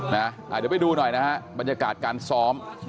เดี๋ยวไปดูหน่อยนะฮะบรรยากาศการซ้อม